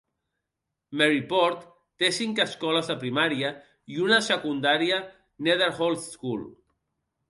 Maryport té cinc escoles de primària i una de secundària, Netherhall School.